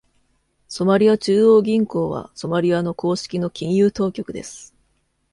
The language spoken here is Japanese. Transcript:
ソマリア中央銀行はソマリアの公式の金融当局です。